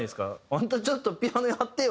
あんたちょっとピアノやってよ！